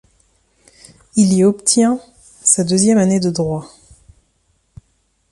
Il y obtient sa deuxième année de droit.